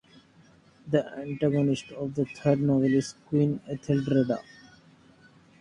The antagonist of the third novel, is "Queen Etheldredda".